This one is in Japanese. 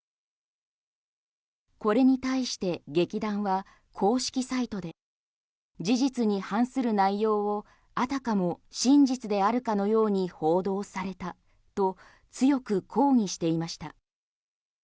これに対して劇団は公式サイトで事実に反する内容をあたかも真実であるかのように報道されたと強く抗議していました。